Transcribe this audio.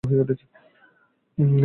নীরজা বললে, বাবু হয়ে উঠেছ?